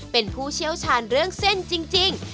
เป็นผู้เชี่ยวชาญเรื่องเส้นจริง